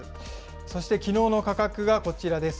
そしてきのうの価格がこちらです。